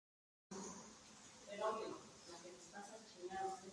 Más tarde realizó una gira con Merle Haggard.